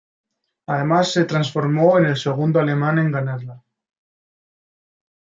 Además se transformó en el segundo alemán en ganarla.